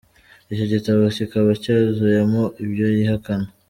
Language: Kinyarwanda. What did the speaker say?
Icyo gitabo kikaba cyuzuyemo ibyo yihakana.